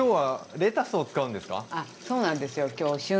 そうなんですよ今日え。